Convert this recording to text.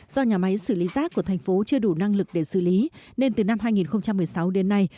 do nhà máy xử lý rác của thành phố chưa đủ năng lực để xử lý nên từ năm hai nghìn một mươi sáu đến nay